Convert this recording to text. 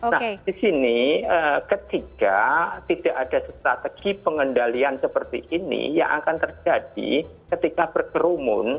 nah di sini ketika tidak ada strategi pengendalian seperti ini yang akan terjadi ketika berkerumun